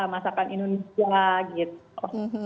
masjid alhamdulillah masakan indonesia gitu